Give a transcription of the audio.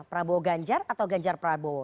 prabowo ganjar atau ganjar prabowo